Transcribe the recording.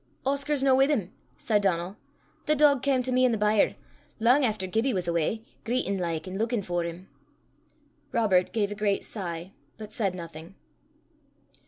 "Oscar's no wi' im," said Donal. "The dog cam to me i' the byre, lang efter Gibbie was awa, greitin' like, an' luikin' for 'im." Robert gave a great sigh, but said nothing.